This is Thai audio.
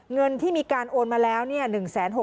เงินที่มีการโอนมาแล้วเนี่ย